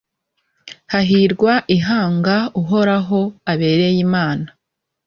hahirwa ihanga uhoraho abereye imana